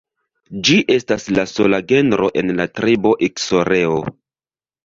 Ĝi estas la sola genro en la tribo Iksoreo.